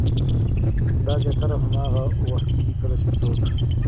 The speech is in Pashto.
دا زياتره هاغه وخت کيږي کله چې څوک